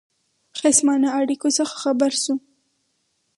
خصمانه اړېکو څخه خبر شو.